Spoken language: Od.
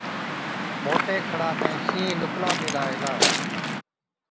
موٽي کڙا ۾ شِينهِين لُڪلا ٻيهلا هِلا۔